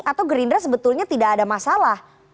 atau gerindra sebetulnya tidak ada masalah